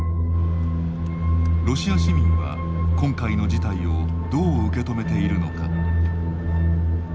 ロシア市民は今回の事態をどう受け止めているのか。